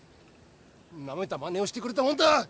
なめたまねをしてくれたもんだ